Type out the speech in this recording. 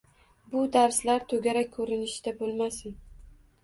Bu darslar toʻgarak koʻrinishida bo’lmasin.